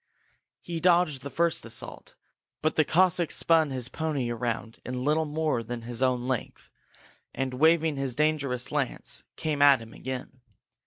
He dodged the first assault, but the Cossack spun his pony around in little more than his own length, and waving his dangerous lance, came at him again.